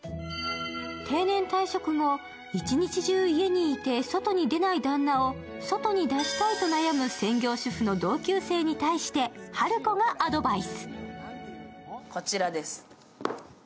定年退職後、一日中家にいて外に出ない旦那を外に出したいと悩む専業主婦の同級生に対してハルコがアドバイス。